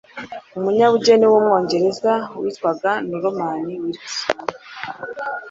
umunyabugeni w'Umwongereza witwaga Norman Wilkinson